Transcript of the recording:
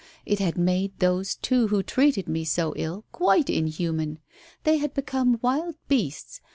It had made those two who treated me so ill, quite inhuman;' They had become wild beasts.